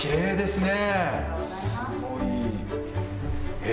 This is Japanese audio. すごい。